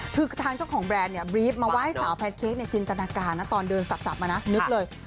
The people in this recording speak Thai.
คือทางเจ้าของแบรนด์บรีฟมาไหว้สาวแพนเค้กในจินตนากาตอนเดินสับมานึกเลย